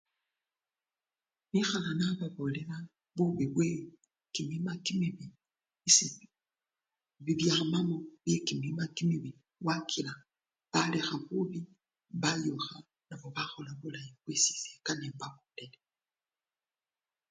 Nikhala nababolela bubi bwe kimima kimibi, isi! bibyamamo byekimima kimibi kakila balekha bubi nabo bayukha bakhola bulayi nisyosyesi ngana embabolele.